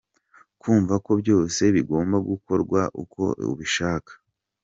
Kumva ko byose bigomba gukorwa uko ubishaka.